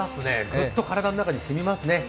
ぐっと体の中にしみますね。